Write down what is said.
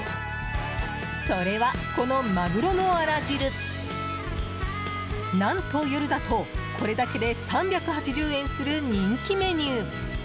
それは、このマグロのアラ汁何と夜だと、これだけで３８０円する人気メニュー！